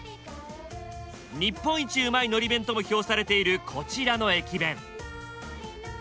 日本一うまい海苔弁とも評されているこちらの駅弁。